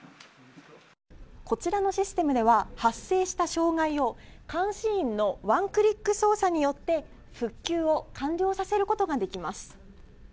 こちらのシステムでは発生した障害を監視員のワンクリック操作によって復旧を完了させることができます。